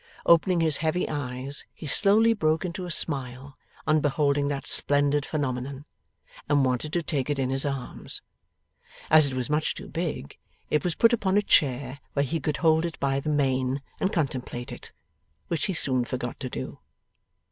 Opening his heavy eyes, he slowly broke into a smile on beholding that splendid phenomenon, and wanted to take it in his arms. As it was much too big, it was put upon a chair where he could hold it by the mane and contemplate it. Which he soon forgot to do.